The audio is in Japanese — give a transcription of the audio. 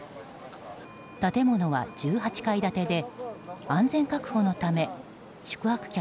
建物は１８階建てで安全確保のため宿泊客